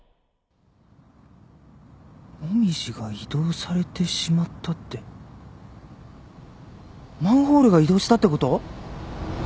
「モミジが移動されてしまった」ってマンホールが移動したってこと？